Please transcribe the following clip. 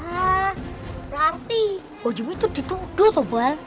berarti wajahmu itu dituduh toh boy